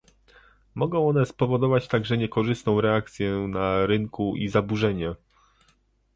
Mogą one spowodować także niekorzystną reakcję na rynku i zaburzenia